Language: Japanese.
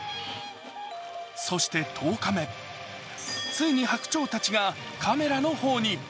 そして１０日目ついに白鳥たちがカメラの方に。